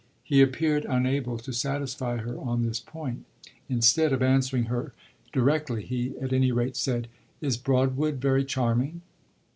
He appeared unable to satisfy her on this point; instead of answering her directly he at any rate said: "Is Broadwood very charming?"